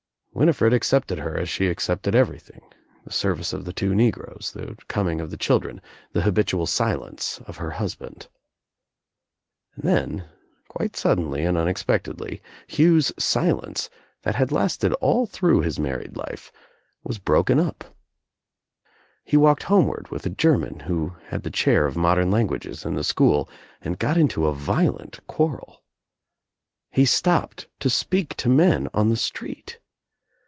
Winifred accepted her as she accepted everything, the service of the two negroes, the coming of the children, the habitual silence of her husband. And then quite suddenly and unexpectedly Hugh's silence, that had lasted all through his married life, was broken up. He walked homeward with a German who had the chair of modem languages in the school and got into a violent quarrel. He stopped to speak to men on the street.